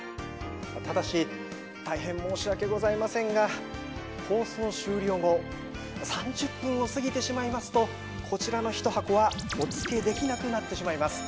ただしたいへん申し訳ございませんが放送終了後３０分を過ぎてしまいますとこちらの１箱はお付けできなくなってしまいます。